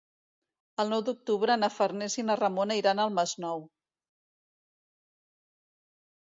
El nou d'octubre na Farners i na Ramona iran al Masnou.